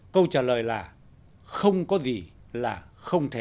câu trả lời là không có gì là không thể